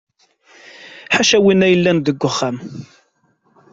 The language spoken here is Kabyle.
Ḥaca winna i yellan deg uxxam.